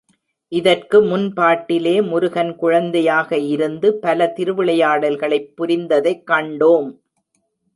இதற்கு முன் பாட்டிலே முருகன் குழந்தையாக இருந்து பல திருவிளையாடல்களைப் புரிந்ததைக் கண்டோம்.